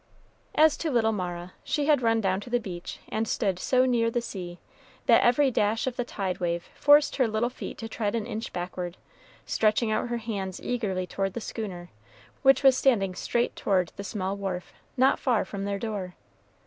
As to little Mara, she had run down to the beach, and stood so near the sea, that every dash of the tide wave forced her little feet to tread an inch backward, stretching out her hands eagerly toward the schooner, which was standing straight toward the small wharf, not far from their door.